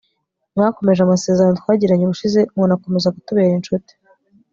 mwakomeje amasezerano twagiranye ubushize munakomeza kutubera incuti